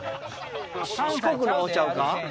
四国の方ちゃうか？